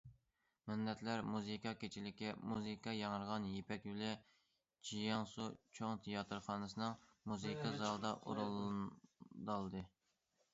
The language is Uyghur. مىللەتلەر مۇزىكا كېچىلىكى« مۇزىكا ياڭرىغان يىپەك يولى» جياڭسۇ چوڭ تىياتىرخانىسىنىڭ مۇزىكا زالىدا ئورۇندالدى.